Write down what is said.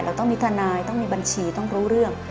ต้องมีทนายต้องมีบัญชีต้องรู้เรื่อง